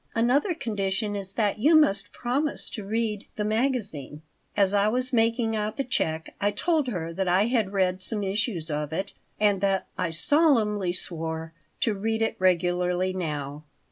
Another condition is that you must promise to read the magazine." As I was making out the check I told her that I had read some issues of it and that I "solemnly swore" to read it regularly now.